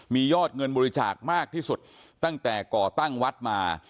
มียอดเงินบริจาคมากที่สุดตั้งแต่ก่อตั้งวัดมา